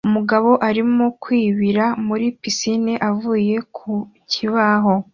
Umugabo arimo kwibira muri pisine avuye ku kibaho